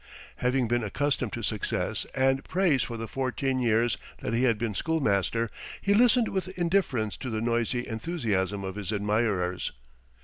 Having been accustomed to success and praise for the fourteen years that he had been schoolmaster, he listened with indifference to the noisy enthusiasm of his admirers.